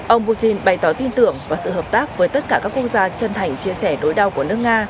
ông putin bày tỏ tin tưởng và sự hợp tác với tất cả các quốc gia chân thành chia sẻ đối đau của nước nga